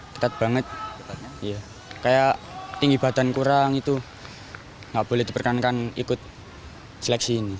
ketat banget kayak tinggi badan kurang itu nggak boleh diperkenankan ikut seleksi ini